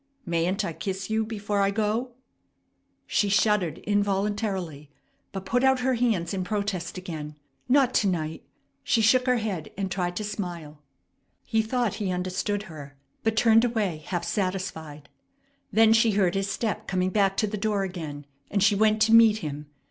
"Mayn't I kiss you before I go?" She shuddered involuntarily, but put out her hands in protest again. "Not to night!" She shook her head, and tried to smile. He thought he understood her, but turned away half satisfied. Then she heard his step coming back to the door again, and she went to meet him.